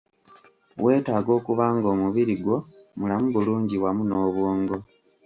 Weetaaga okuba ng'omubiri gwo mulamu bulungi wamu n'obwongo.